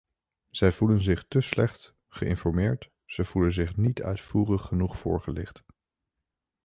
Zij voelen zich te slecht geïnformeerd, ze voelen zich niet uitvoerig genoeg voorgelicht.